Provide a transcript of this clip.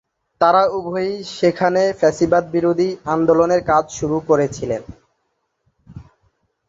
তাঁরা উভয়েই সেখানে ফ্যাসিবাদ বিরোধী আন্দোলনের কাজ শুরু করেছিলেন।